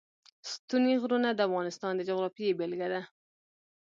ستوني غرونه د افغانستان د جغرافیې بېلګه ده.